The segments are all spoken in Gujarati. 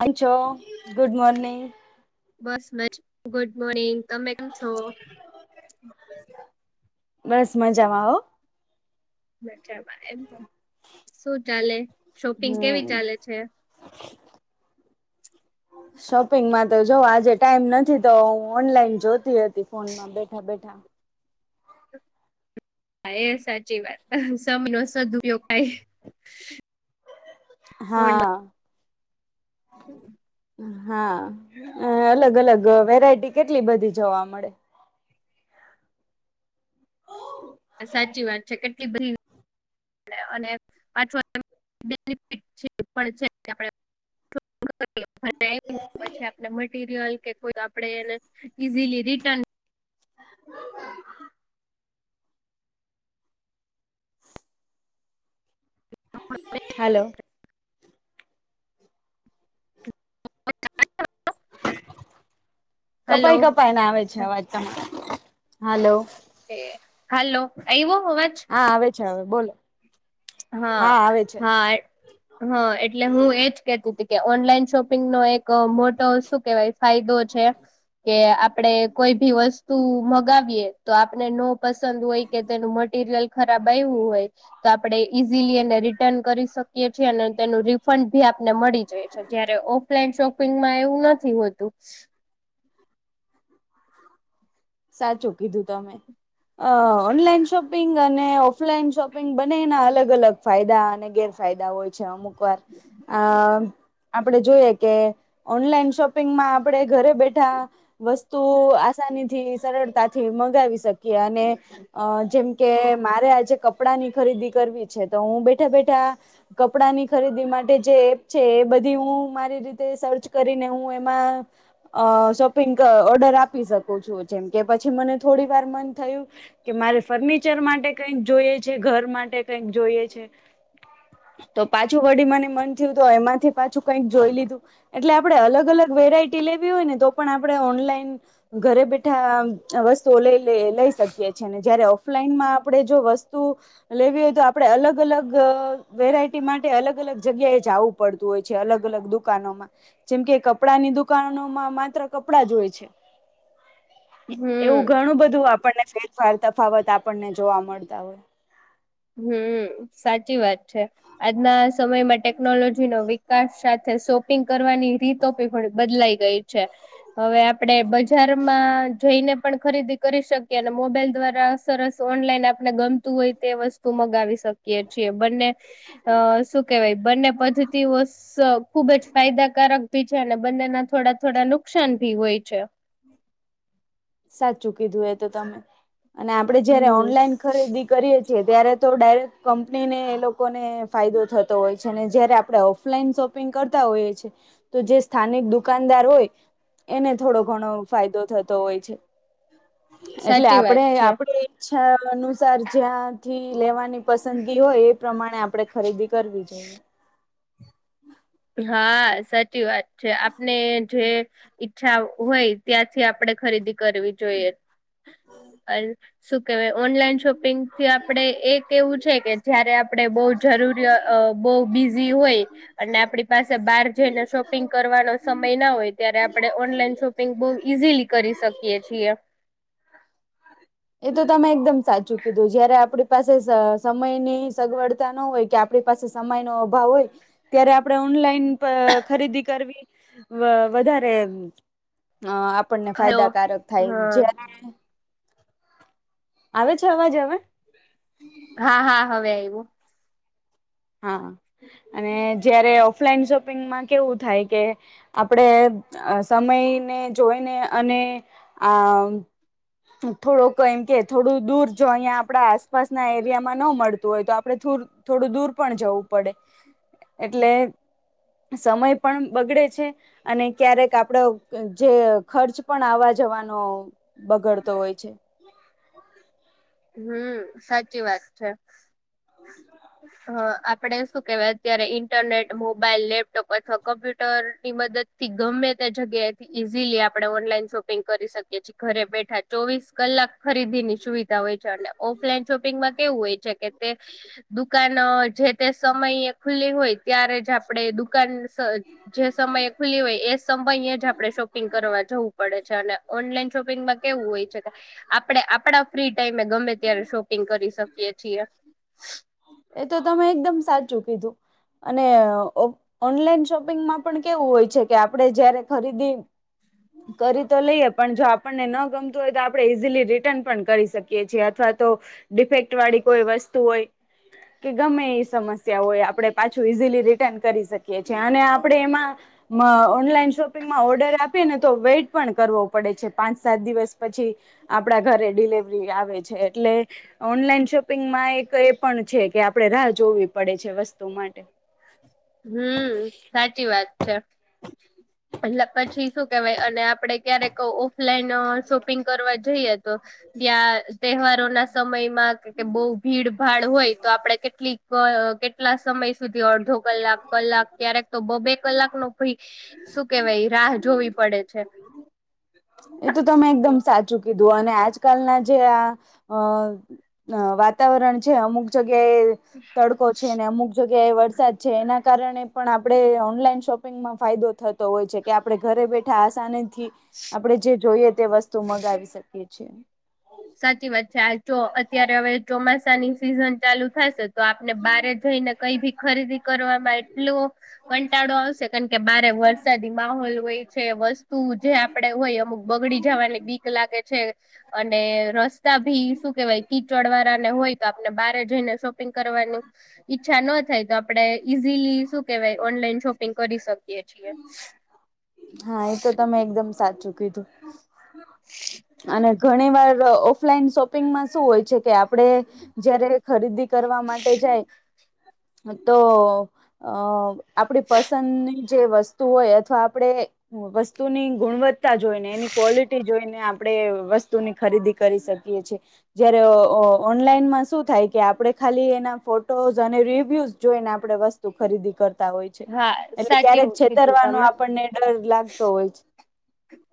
થચો ગુડ મોોર્નિંગ બસ મ ગુડ મોર્નિંગ તમે કેમ છો બસ મજામાં આવ બચા એમ શું ચાલે શોપિંગ કેવી હમ. ચાલે છે શોપિંગમાં તો જોવ આજે ટાઈમ નથી તો હું ઓનલાઈન જોતી હતી ફોનમાં બેઠા બેઠા [unintelligible] હ હા એ સાચી વાત સમનો સદપયોગ કાય હા ફોનમાં હા અલગ અલગ વેરાયટી કેટલી બધી જોવા મળે સાચી વાત છે કેટલી બધી અને પાછ બેનિટ છે પણ છે આપ આપ, મટીરિયલ કે કોઈ, આપણેે એને ઈઝીલી રિટર્ન હલો બ હેલો કપાઈ કપાઈને આવે છે, અવાજ ત હાલો હ હાલો અયુ હા, આવે છે, હ બોલો હા, આવે છે હા, હા એટલે હુ એજ, કેતી કે ઓનલાઈન શોપિગ નો એક મોટો શું કેવાય ફાયદો છે, કે આપે કોઈ ભી વસ્તુ મગાવીએ, તો આપને નો પસંદ હોય, કે તેનું મટીરિયલ ખરાબ હોય, તો આપણે ઇઝીલી એને રિટર્ન, કરી શકીએ છીએ અને તેનું રિફડ બી આપને મળી જાય છે, જ્યારે ઓફ ઓફલાઈન શોપિંગમા એવુ નથી, હોતુ સાચુ કીધુ, ત અમે અ ઓનલાઈન, શોપિંગ અને ઓફલાઈન શોપિગ, બને એના અલગ અલગ ફાયદા અને ગેર ફાયદા હોય છે, અમુક વાર આ આપણે જોઈએ, કે ઓનલાઈન શોપિંગમાં આપણે ઘરે બેઠા વસ્તુ ત આસાની થી, સરળતાથી મગાવી શકીએ અને જેમ કે મારે આજે કપડાની ખરીદી કરવી છે, તો હું બેઠા બેઠા કપડા ની ખરીદી માટે એપ છે, એ બધ હ મારી રી સર્ચ કરીને હું એમાંપ [unintelligible] ઓર આપી શુ છુ, જેમ કે પછી મને થોડી વાર મન થયુ, કે મારે ફર્નિચર માટે કઈ જોઈ છે, ઘર માટે કઈક જોઈએ છે. તો પાછું વડી મને મન થયું તો એમાંથી પાછુ, કઈક જોઈ, લીધુ એટલે આપડે અલગ અલગ વેરાઈટી લેવી હોય, ને તો પણ આપણે ઓનલાઈન ઘરે બેઠા વસ્તુઓ લઈ શકીએ છી, જયારે ઓફલાઈનમા આપણેે જો વસ્તુ લેવી હોય, તો આપડણે અલગ અલગ વેરાયટી માટે અલગ અલગ જગ્યાએ જવું પડત હોય છે, અલગ, અલગ દુકાનોમા જેમ કે કપડા ની દુકાનોમાં માત્ર કપડા જ હોય છે. એવુ હમ ઘણુ, બધુ આપણને ફેરફર તફાવત આપણને, જોવા મળતા હોય. હમ્મ, સાચી વાત છે. આજના સમયમાં ટેકનોલોજી નો વિકાસ સાથે, સો કરવાની રીતોી થોડી બદલાઈ ગઈ છે, હવે આપડે જારમા, જોઈને પણ ખરીદી કરી શકીએ અને મોબાઈલ દ્વારા સરસ ઓનલાઈન આપણે, ગમતુ હોય, તે વસ્તુ મગાવી શકીએ છીએ, બને શું કેવાય બંને પદ્ધતિઓ ખુબજ ફાયદાકારક ભી છે. અને બંનેના થોડા થોડા નુકસાન ભી હોય, છે. [unintelligible] સાચુ કીધુ એ તો તમે અને આપડે જયારે હમ ઓનલાઈન, ખરીદી કરીએ છે, ત્યારે તો ડાયરેક્ટ કંપનીને એ લોકોને ફાયદો થતો હોય છે, અનેને જય્યારે આપણે ઓફલાઈન શોપ પગ કરતા હોય છે, તો જે સ્થાનિક દુકાનદાર હોય એને થોડો ઘણો ફાયદો થતો, હોય છે. એટલે, સાચી વાત આપડે છે. આપડ અનુસાર જ્યાંથી લેવાની પસંદગી હોય, એ પ્રમાણે આપણે ખરીદી કરવી, જોઈએ હા, સાચી વાત છે, આપને જે ઈચ્છા હોય, ત્યાંથી આપડે ખરીદી કરવી જોઈએ શુ કેહેવાય, ઓનલાઈન શોપિંગ થી આપણે એક એવું છે, કે જયારે આપડણે બહ જરૂરી બહ બ હોય અને આપડી પાસે બહાર જઈને શોપિંગ કરવાનો સમય ના હોય ત્યારે, આપડે ઓનલાઈન શોપિંગ બહુ ઈઝીલી કરી. શકીએ છીએ. એ તો તમે એકદમ સાચું કીધું, જયારે આપણી પાસે સમયની સગવડતા ન હોય કે આપણી પાસે. સમય ન અભાવ હોય ત્યારે, આપડે ઓનલાઈન. ખરીદી કરવી વધારે. અ આપણને હલો ફાયદાકારક થાય હા જ્યારે. આવે છે અવાજ હવે. હા, હા હવે આવું. હા, અને જયારે ઓફલાઈન શોપિંગમાં કેવું થાય કે આપણેે અ, સમયને જોઈને અને આ. થોડુંક એમ કે, થોડું દૂર જો અહીયાં આપડા આસપાસ ના એરિયામાં ન મળતું હોય, તો આપડે થોડું થોડું દૂર પણ જવું પડે એટલે સમય પણ બગડે છે અને ક્યારેક આપડો જે ખર્ચ પણ આવા જવાનો બગડતો હોય છે. હમ, સાચી વાત છે. હ. આપણે શું કેહેવાય, અત્યારે ઇન્ટરનેટ, મોબાઈલ, લેપટોપ અથવા કમ્પ્યુટર ની મદદથી ગમે ગમે તે જગ્યાએથી ઈઝીલી આપણે ઓનલાઈન શોપિંગ કરી શકીએ છીએ, ઘરે બેઠા ચોવીસ કલાક ખરી ધ ની છું [unintelligible] હોય છે કે તે દુકાન જે તે સમયે ખુલ્લી હોય ત્યારે જ આપણેે દુકાન જે સમયે ખુલી હોય એ. સમયે જ આપણે શોપિંગ કરવા જવું પડે છે, અને ઓનલાઈન શોપિંગમાં કેવું હોય છે કે આપણે આપણા ફ્રી ટાઈમે ગમે ત્યારે શોપિંગ કરી શકીએ છીએ. એ તો તમે એકદમ સાચું કીધું. અને ઓનલાઈન શોપિંગમાં પણ કેવું હોય છે કે, આપણેે જયારે ખરીદી કરી તો લઈએ, પણ જો આપણને ન ગમતું હોય, તો આપણે ઈઝીલી રિટર્ન પણ કરી શકીએ છીએ અથવા ડિફેક્ટ વાળી કોઈ વસ્તુ હોય. કે ગમે એ સમસ્યા હોય, આપણે પાછું ઈઝીલી રિટર્ન કરી શકીએ છેએ અને આપડે એમાં ઓનલાઈન શોપિંગમાં ઓર્ડર આપ. આપીને તો વેટ પણ કરવો પડે છે, પાંચ-સાત દિવસ પછી આપડા ઘરે ડિલવરી આવે છે. એટલે ઓનલાઈન જો શોપિંગ એક એ પણ છે કે, આપણે રાહ જોવી પડે છે વસ્તુ માટે. હમ, સાચી વાત છે. એટલે પછી શું કેવાય, અને આપડે ક્યારેક ઓનલાઈન શોપિંગ કરવા જઈએ તો ત્યાં તહેવારો ના સમયમાં કે બહુ ભીડ ભાડ હોય, તો આપડે કેટલીક કેટલા સમય સમય સુધી, અડધો કલાક, કલાક, ક્યારેક તો બબ્બે કલાક નો ભી શું કેવાય રાહ જોવી પડે છે. એ તો તમે એકદમ સાચું. કીધું, અને આજકાલના જે આ વાતાવરણ છે, અમુક જગ્યા જગ્યા તડકો છે ને, અમુક જગ્યા જગ્યાએ વરસાદ છે, એના કારણે પણ આપણે ઓનલાઈન શોપિંગમાં ફાયદો થતો હોય છે કે, આપણે ઘરે બેઠા, આસાની થી આપણે જે જોઈએ તે વસ્તુ મગાવી શકીએ છીએ. સાચી વાત છે, આ અત્યારે હવે ચોમાસાની સિઝન ચાલુ થશે. તો આપને બારે જઈને કઈ ભી ખરીદી કરવામાં એટલો કંટાળો આવશે, કારણ કે બારે વરસાદી માહોલ હોય છે, વસ્તુ જે આપડે હોય, અમુક બગડી જવાની બીક લાગે છે. અને રસ્તા ભી શું કેવાય, કીચડ વાળાને હોય કે, આપને બારે જઈને શોપિંગ કરવાની ઈચ્છા ન થાય. આપણે ઈઝીલી શું કહેવાય, ઓનલાઈન શોપિંગ કરી શકીએ છીએ. હા, એ તો તમે એકદમ સાચું કીધું. અને ઘણી વાર ઓફલાઈન શોપિંગમાં શું હોય છે કે આપ આપડે જયારે ખરીદી કરવા માટે જાય હા હતો અ વસ્તુની ગુણવત્તા જોઈને એની ક્વોલિટી જોઈને આપે આપણે વસ્તુની ખરીદી કરી શકીએ છી જયારે ઓનલાઈનમાં શું થાય કે આપણે ખાલી એના ફોટોઝ અને રિવ્યૂઝ જોઈને આપણે વસ્તુ ખરીદી કરતા હોય હા એટલે સાચું ક્યારેક કીધું છેતરવાનો તમે. આપણને ડર લાગતો હોય છે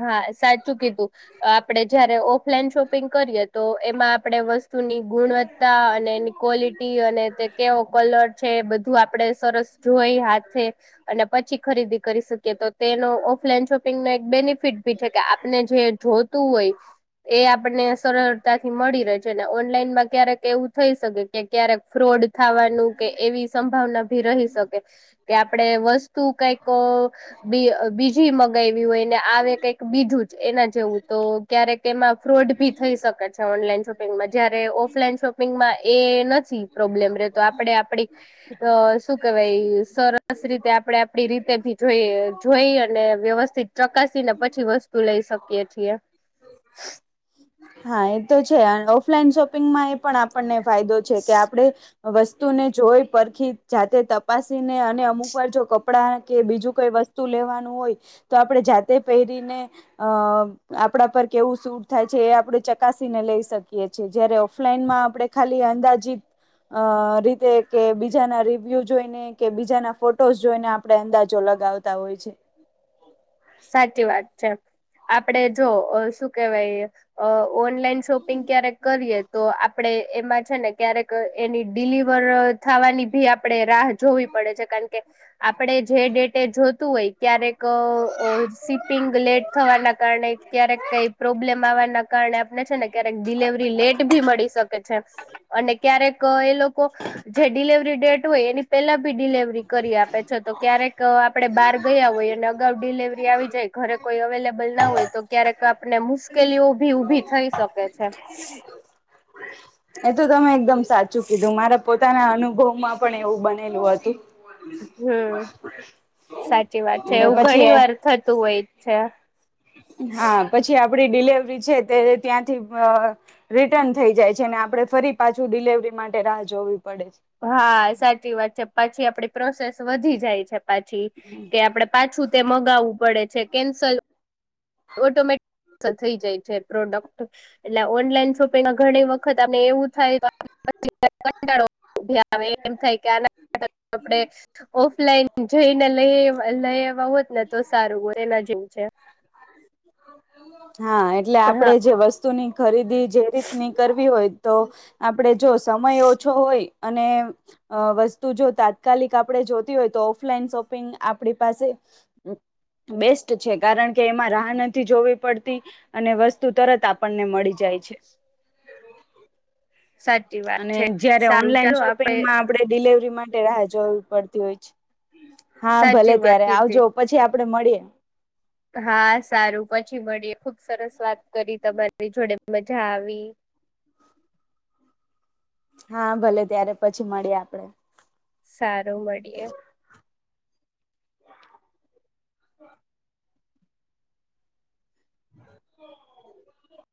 હા સાચું કીધું આપડે જયારે ઓફલાઈન શોપિંગ કરીએ તો એમાં આપણેે વસ્તુ વસ્તુ ની ગુણવત્તા અને એની ક્વોલિટી અને તે કેવો કલર છે બધું આપડે સરસ જોઈ હાથે અને પછી ખરીદી કરી શકીએ તો તેનો ઓફલાઈન શોપિંગ ન બેનિફિટ ભી છે કે આપને જે જોતું હોય એ આપણને સરળતાથી મળી રહે છે ને ઓનલાઈનમાં ક્યારેક એવું થઈ શકે કે ક્યારેક ફ્રોડ થવાનું કે એવી સંભાવના ભી રહી શકે કે આપણે વસ્તુ કઈક બીજી મગાયવી હોય ને આવે કઈક બીજું જ એના જેવું જયારે ઓફલાઈન શોપિંગમાં એ નથી પ્રોબ્લેમ રતો આપણે આપ કે ભાઈ સરસ રીતે આપણે આપડી રીતે ભી જોઈ જોઈ અને વ્યવસ્થિત ચકાસી ને પછી વસ્તુ લઈ શકીએ છીએ હા એ તો છે ઓફલાઈન શોપિંગમાં એ પણ આપણને ફાયદો છે કે આપડે વસ્તુને જોઈ પરખી જાતે તપાસીને અને અમુક વાર જો કપડાં કે બીજું કોઈ વત લેવા હોય તો આપણેે જાતે પહેરીને અ આપણા પર કેવું સટ થાય છે આપણે ચકાસીને લઈ શકીએ છીએ જયારે ઓફલાઈનમાં આપણે ખાલી અંદાજીત અ રીતે કે બીજાના રિવ્યુ જોઈને કે બીજાના ફોટોઝ જોઈને આપડે અંદાજો લાગ લગાવતા હોય છે સાચી વાત છે આપણે જો શું કેહેવાય ઓનલાઈન શોપિંગ ક્યારેક કરીએ તો આપણે આપ એમાં છે ને ક્યારેક એની ડિલિવર થવાની ભી આપડે રાહ જોવી પડે છે કારણ આપણેે જે ડેટે જોતું હોય ક્યારેક સીપિંગ લેટ થવાના કારણે ક્યારેક કઈ પ્રોબ્લેમ આવવાના કારણે આપણે છે ને ક્યારેક ડિલેવરી લેટ ભી મળી શકે છે અને ક્યારેક એ લોકો જે ડિલેવરી ડેટ હોય એની પહેલા બી ડિલેવરી કરી આપે છે તો ક્યારેક આપણે બહાર ગયા હોય અને અગાઉ ડિલેવરી આવી જાય ઘરે કોઈ અવેલેબલ ના હોય તો ક્યારેક આપને મુશ્કેલીઓ -ભી ઉભી થઈ શકે છે એ તો તમે એકદમ સાચું કીધું મારા પોતાના અનુભવમાં પણ એવું બનેલું હતું હમ સાચી વાત છે એટલે એવું ઘણી વાર પછી થતું હોય છે હા પછી આપ આપડી ડિલેવરી છે તે ત્યાંથી રિટર્ન થઈ જાય છે અને આપે ફરી પાછું ડિલેવરી માટે રાહ જોવી પડે છે હા સાચી વાત છે પછી આપડે -છી કે આપડણે પાછું તે મગાવવું પડે છે કેન્સલ ઓટોમેટ- થઈ જાય છે પ્રોડક્ટ એટલે ઓનલાઈન શોપિંગ ઘણી વખત આપને એવું થાય પછી કંટળો ઉભ આવે એમ થાય કે આ આપડણે ઓફલાઈન જઈને લઈ લઈ એવા હોત ને તો સારું હો એના જેવ છે હા એટલે આપડે હા જે વસ્તુની ખરીદી જે રીતની કરવી હોય તો આપડે જો સમય ઓછો હોય અને વસ્તુ જો તાત્કાલિક આપણે જોતી હોય તો ઓફલાઈન શોપિંગ આપણી પાસે બેસ્ટ છે કારણ કે કે એમાં રાહ નથી જોવી પડતી અને વસ્તુ તરત આપણને મળી જાય છે. [inaudible] સાચી વાત અને છે જયારે સારું ઓનલાઈન ચાલો શોપિંગમાં આપડે ડિલવરી મા ટે રા જોવી પડતી હોય હા ભલે સાચી વાત ત્યારે આવજો કીધી પછી આપ આપડે મળીએ. હા, સારું પછી મળી ખુબ સરસ વાત કરી તમારી જોડે મજા આવી. હા ભલે ત્યારે પછી મળી આપડે. સારું મળીએ [inaudible] [inaudible]